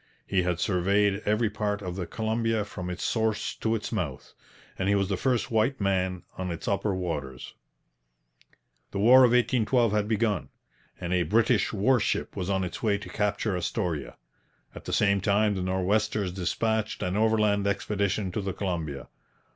He had surveyed every part of the Columbia from its source to its mouth. And he was the first white man on its upper waters. The War of 1812 had begun, and a British warship was on its way to capture Astoria. At the same time the Nor'westers dispatched an overland expedition to the Columbia.